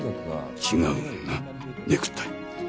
違うなネクタイ。